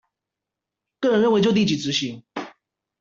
個人認為就立即執行